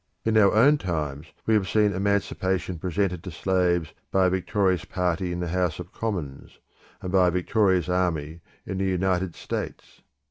In our own times we have seen emancipation presented to slaves by a victorious party in the House of Commons, and by a victorious army in the United States.